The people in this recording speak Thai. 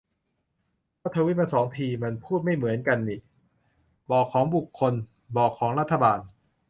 ก็ทวีตมาสองที มันพูดไม่เหมือนกันนิ : บอกของบุคคล ; บอกของรัฐบาล